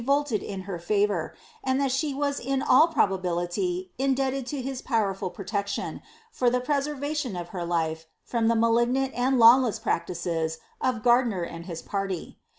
133 hmti rerolted in her fiiTour, and that she was in all probability indebted to his powerful protection, for the preservation of her life, from the ■dignant and bwless practices of Gardiner and his party.